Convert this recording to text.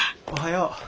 おはよう。